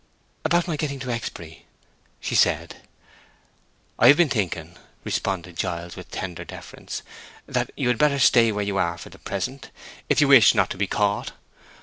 "About my getting to Exbury?" she said. "I have been thinking," responded Giles, with tender deference, "that you had better stay where you are for the present, if you wish not to be caught.